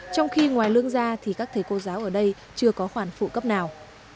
trong khi ngoài lương ra thì các thầy cô giáo ở đây chưa có khoản phụ cấp nào